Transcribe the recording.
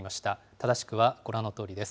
正しくはご覧のとおりです。